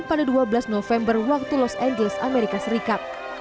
pada dua belas november waktu los angeles amerika serikat